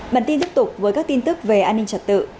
bản tin tiếp tục với các tin tức về an ninh trật tự